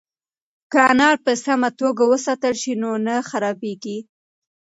که انار په سمه توګه وساتل شي نو نه خرابیږي.